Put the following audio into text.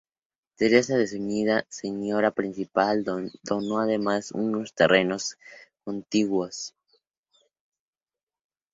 Teresa de Zúñiga, señora principal, donó además unos terrenos contiguos.